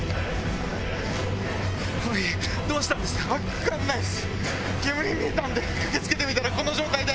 分かんないっす。